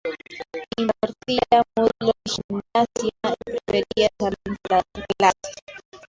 Impartía módulos de gimnasia y prefería el jardín para dar clases.